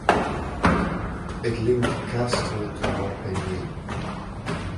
It linked Castres to Montpellier.